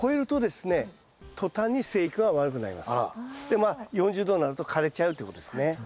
でまあ４０℃になると枯れちゃうってことですね。